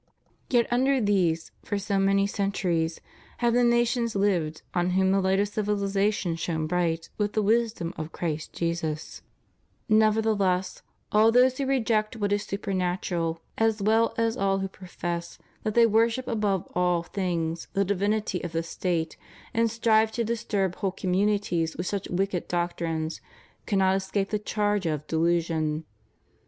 Yet under these, for so many centuries, have the nations lived on whom the light of civihzation shone bright with the wisdom of Christ Jesus. 68 CHRISTIAN MARRIAGE. Nevertheless, all those who reject what is supernatural, as well as all who profess that they worship above all things the divinity of the State, and strive to disturb whole communities with such wicked doctrines, cannot escape the charge of delusion.